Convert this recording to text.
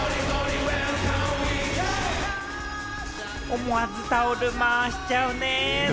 思わずタオル回しちゃうね！